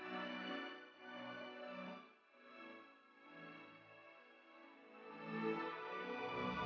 kita kalian suatu saat lagi magnet